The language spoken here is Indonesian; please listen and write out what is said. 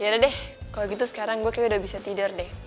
ya deh kalau gitu sekarang gue kayak udah bisa tidur deh